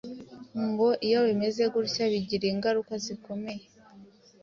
Ngo iyo bimeze gutya bigira ingaruka zikomeye